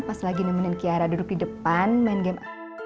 pas lagi nemenin kiara duduk di depan main game